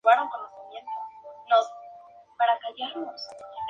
Sus buenas actuaciones hicieron que no salga del equipo hasta el final del torneo.